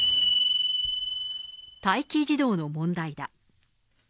待機児童の問題だ。